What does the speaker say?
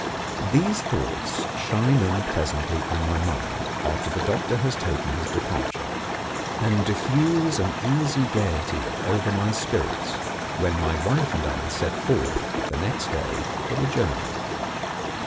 These thoughts shine in pleasantly on my mind after the doctor has taken his departure, and diffuse an easy gaiety over my spirits when my wife and I set forth, the next day, for the journey.